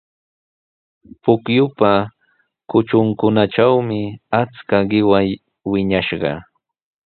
Pukyupa kutrunkunatrawmi achka qiwa wiñashqa.